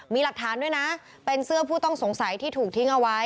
มีหลักฐานด้วยนะเป็นเสื้อผู้ต้องสงสัยที่ถูกทิ้งเอาไว้